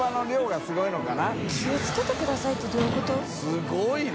すごいな。